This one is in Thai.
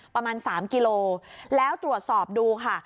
ประมาณ๓กิโลแล้วตรวจสอบดูค่ะ